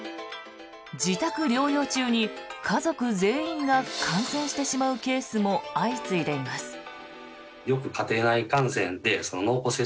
自宅療養中に家族全員が感染してしまうケースも相次いでいます。